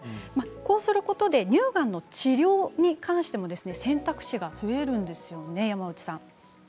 こうすることで乳がんの治療に関しても選択肢が増えるんですよね。